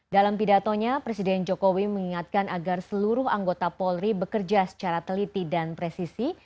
dalam pidatonya presiden jokowi mengingatkan agar seluruh anggota polri bekerja secara teliti dan presisi